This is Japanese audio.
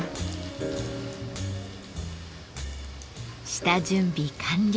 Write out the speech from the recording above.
下準備完了。